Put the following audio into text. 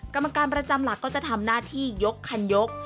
กรรมการประจำหลักก็จะทำหน้าที่ยกคันยก